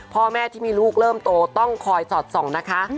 พ่อแม่ที่มีลูกเริ่มโตต้องคอยสอดส่องนะคะ